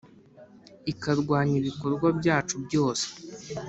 ikarwanya ibikorwa byacu byose